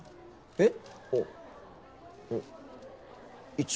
えっ。